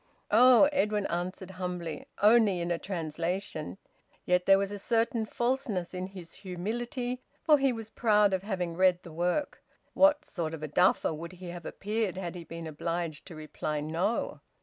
"Oh!" Edwin answered humbly. "Only in a translation." Yet there was a certain falseness in his humility, for he was proud of having read the work. What sort of a duffer would he have appeared had he been obliged to reply `No'?